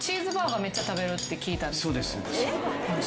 そうです。